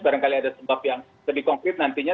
barangkali ada sebab yang lebih konkret nantinya